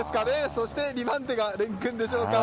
そして２番手がれん君でしょうか。